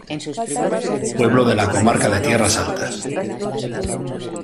Pueblo de la Comarca de Tierras Altas.